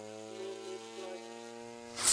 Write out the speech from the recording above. Numeklodi.